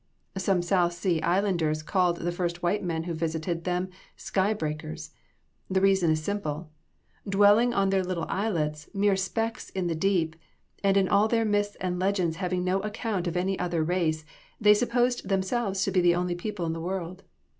Some South Sea Islanders called the first white men who visited them, "sky breakers." The reason is simple. Dwelling on their little islets, mere specks in the deep, and in all their myths and legends having no account of any other race, they supposed themselves to be the only people in the world.